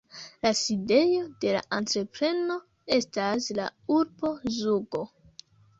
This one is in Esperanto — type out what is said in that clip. La sidejo de la entrepreno estas la urbo Zugo.